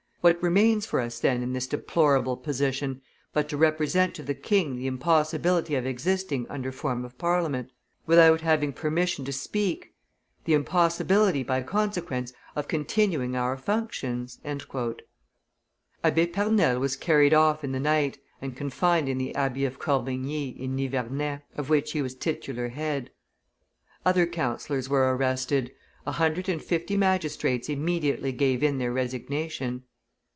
What remains for us, then, in this deplorable position, but to represent to the king the impossibility of existing under form of Parliament, without having permission to speak; the impossibility, by consequence, of continuing our functions?" Abbe Pernelle was carried off in the night, and confined in the abbey of Corbigny, in Nivernais, of which he was titular head. Other councillors were arrested; a hundred and fifty magistrates immediately gave in their resignation.